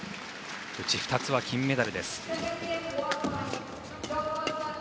うち２つは金メダルです。